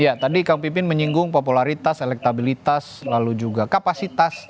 ya tadi kang pipin menyinggung popularitas elektabilitas lalu juga kapasitas